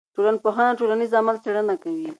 ټولنپوهنه د ټولنیز عمل څېړنه کوي.